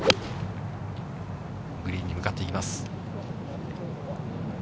グリーンに向かっていきます。